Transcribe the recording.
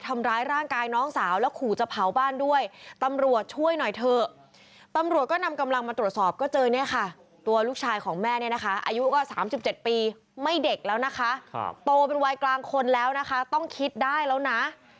ไม่เด็กแล้วนะคะโตเป็นวัยกลางคนแล้วนะคะต้องคิดได้แล้วนะ